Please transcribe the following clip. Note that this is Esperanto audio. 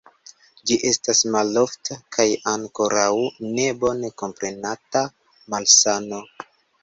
Ĝi estas malofta kaj ankoraŭ ne bone komprenata malsano.